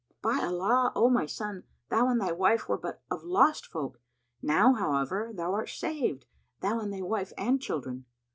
By Allah, O my son, thou and thy wife were but of lost folk; now, however, thou art saved, thou and thy wife and children!